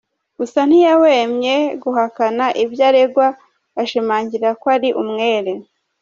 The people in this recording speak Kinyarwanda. Gusa ntiyahwemye guhakana ibyo aregwa, ashimangira ko ari umwere.